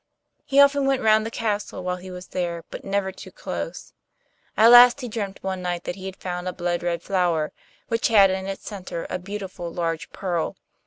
He often went round the castle while he was there, but never too close. At last he dreamt one night that he had found a blood red flower, which had in its centre a beautiful large pearl.